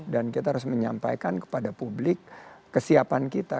dan kita harus menyampaikan kepada publik kesiapan kita